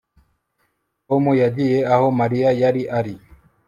Tom yagiye aho Mariya yari ari